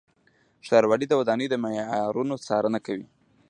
ښاروالۍ د ودانیو د معیارونو څارنه کوي.